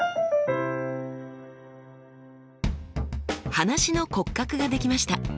話の骨格ができました。